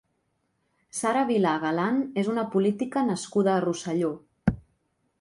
Sara Vilà Galan és una política nascuda a Rosselló.